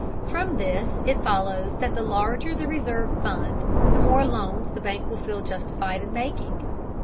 From this it follows that the larger the reserve fund the more loans the bank will feel justified in making.